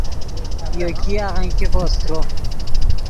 یو ګیاغن ګیفو سترو